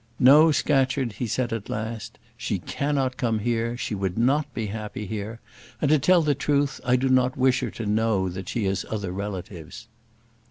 "No, Scatcherd," he said at last, "she cannot come here; she would not be happy here, and, to tell the truth, I do not wish her to know that she has other relatives."